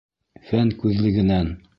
Фән күҙлегенән